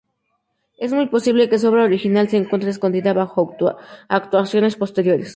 Es muy posible que su obra original se encuentre escondida bajo actuaciones posteriores.